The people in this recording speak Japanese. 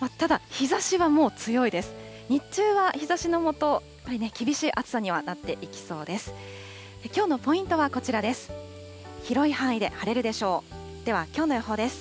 日中は日ざしの下、厳しい暑さにはなっていきそうです。